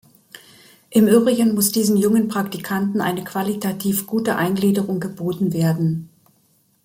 Im übrigen muss diesen jungen Praktikanten eine qualitativ gute Eingliederung geboten werden.